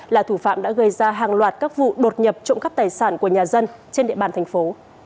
là thủ phạm đã gây ra hàng loạt các vụ đột nhập trộm cắp tài sản của nhà dân trên địa bàn thành phố